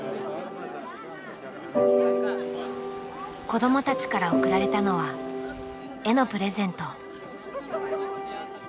子どもたちから送られたのは絵のプレゼント。